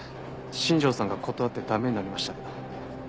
新庄さんが断って駄目になりましたけど。